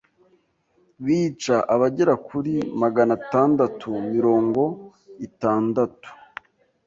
bica abagera kuri maganatandatu mirongo itandatu